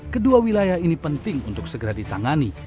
kedua wilayah ini penting untuk segera ditangani